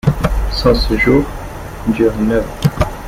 Son séjour dure neuf ans.